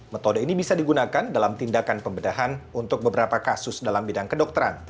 metode ini bisa digunakan dalam tindakan pembedahan untuk beberapa kasus dalam bidang kedokteran